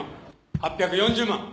８４０万。